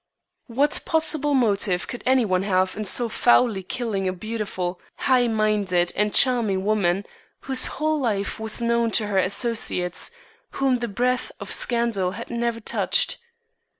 What possible motive could any one have in so foully killing a beautiful, high minded, and charming woman, whose whole life was known to her associates, whom the breath of scandal had never touched?